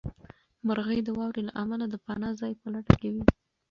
مرغۍ د واورې له امله د پناه ځای په لټه کې وې.